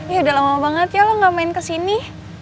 ya udah lama banget ya lo gak main kesini